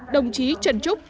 đồng chí trần trúc